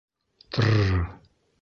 — Трр-р!